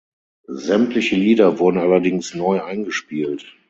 Sämtliche Lieder wurden allerdings neu eingespielt.